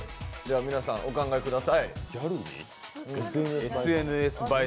皆さん、お考えください。